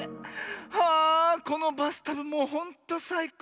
ああこのバスタブもうほんとさいこう。